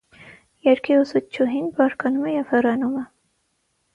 Երգի ուսուցչուհին բարկանում է և հեռանում է։